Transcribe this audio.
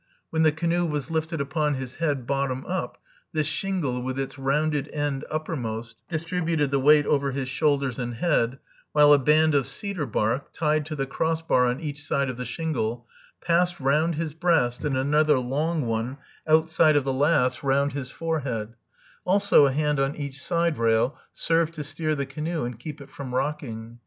When the canoe was lifted upon his head bottom up, this shingle, with its rounded end uppermost, distributed the weight over his shoulders and head, while a band of cedar bark, tied to the cross bar on each side of the shingle, passed round his breast, and another longer one, outside of the last, round his forehead; also a hand on each side rail served to steer the canoe and keep it from rocking.